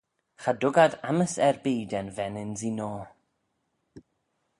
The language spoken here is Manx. Cha dug ad ammys erbee da'n ven-ynsee noa.